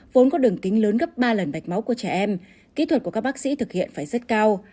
vốn có đường kính lớn gấp ba lần mạch máu của trẻ em kỹ thuật của các bác sĩ thực hiện phải rất cao